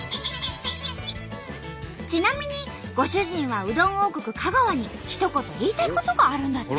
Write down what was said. ちなみにご主人はうどん王国香川にひと言言いたいことがあるんだって。